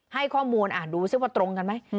ให้ข้อมูลดูซิว่าตรงกันไหม